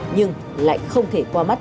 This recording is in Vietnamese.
nhưng lại không thể qua mắt